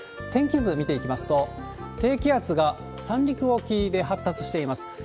天気図見ていきますと、低気圧が三陸沖で発達しています。